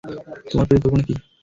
তোমার পরিকল্পনা কী?